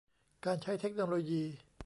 การใช้เทคโนโลยี